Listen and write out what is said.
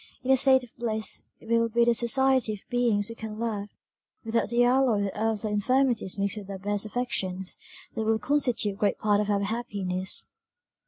In a state of bliss, it will be the society of beings we can love, without the alloy that earthly infirmities mix with our best affections, that will constitute great part of our happiness.